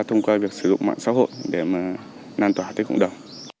thông qua việc sử dụng mạng xã hội để mà lan tỏa tới cộng đồng